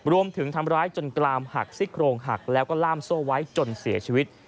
ทำร้ายจนกลามหักซี่โครงหักแล้วก็ล่ามโซ่ไว้จนเสียชีวิต